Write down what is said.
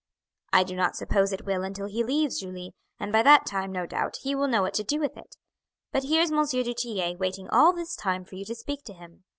"I do not suppose it will until he leaves, Julie, and by that time, no doubt, he will know what to do with it; but here is M. du Tillet waiting all this time for you to speak to him."